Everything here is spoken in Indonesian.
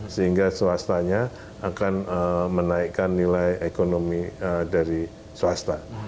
sehingga swastanya akan menaikkan nilai ekonomi dari swasta